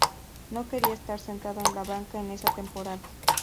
No quería estar sentado en la banca en esa temporada.